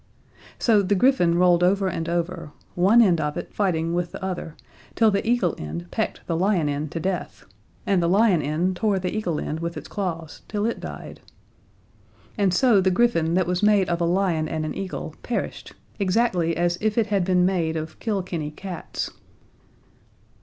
So the griffin rolled over and over, one end of it fighting with the other, till the eagle end pecked the lion end to death, and the lion end tore the eagle end with its claws till it died. And so the griffin that was made of a lion and an eagle perished, exactly as if it had been made of Kilkenny cats.